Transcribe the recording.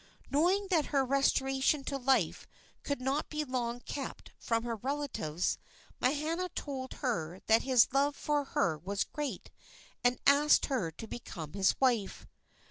Knowing that her restoration to life could not be long kept from her relatives, Mahana told her that his love for her was great, and asked her to become his wife.